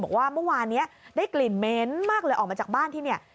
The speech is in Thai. บอกว่าเมื่อวานนี้ได้กลิ่นเหม็นมากเลยออกมาจากบ้านที่เนี่ย